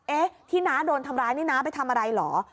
เอ๊ะที่น้าโดนทำร้ายนี่น้าไปทำอะไรเหรอ